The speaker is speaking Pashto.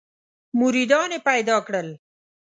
مریدان یې پیدا کړل.